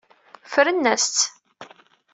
Ffren-as-tt.